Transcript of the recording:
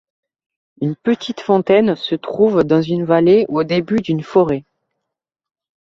Une petite fontaine se trouve dans une vallée au début d'une forêt.